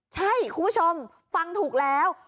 ใช่คุณผู้ชมฟังถูกแล้ว